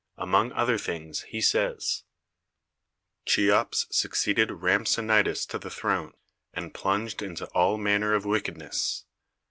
Among other things he says: Cheops succeeded [Rhampsinitus] to the throne, and plunged into all manner of wickedness.